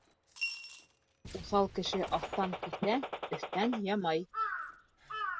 Уҫал кеше аҫтан киҫә, өҫтән ямай.